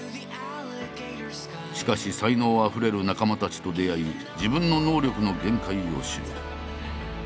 しかし才能あふれる仲間たちと出会い自分の能力の限界を知る。